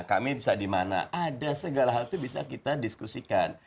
ada segala hal itu bisa kita diskusikan